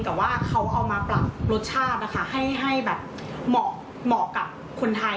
แต่ว่าเขาเอามาปรับรสชาตินะคะให้แบบเหมาะกับคนไทย